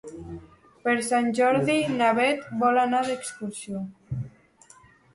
Per Sant Jordi na Beth vol anar d'excursió.